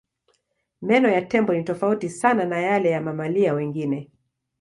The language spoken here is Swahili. Meno ya tembo ni tofauti sana na yale ya mamalia wengine.